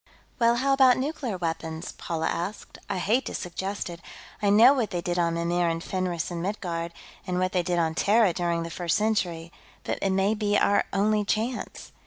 "Well, how about nuclear weapons?" Paula asked. "I hate to suggest it I know what they did on Mimir, and Fenris, and Midgard, and what they did on Terra, during the First Century. But it may be our only chance."